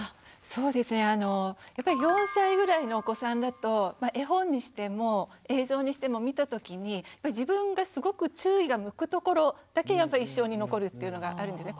そうですねあのやっぱり４歳ぐらいのお子さんだと絵本にしても映像にしても見た時に自分がすごく注意が向くところだけ印象に残るっていうのがあるんですね。